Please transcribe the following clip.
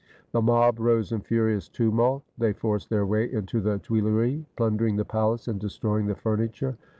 The mob rose in furious tumult. They forced their way into the Tuileries, plundering the palace, and destroying the furniture.